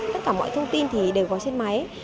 tất cả mọi thông tin đều có trên máy